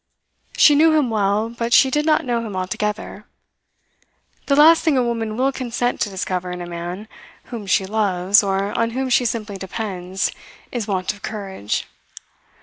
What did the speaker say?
She knew him well; but she did not know him altogether. The last thing a woman will consent to discover in a man whom she loves, or on whom she simply depends, is want of courage.